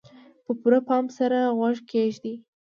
په پوره پام سره غوږ کېږدئ.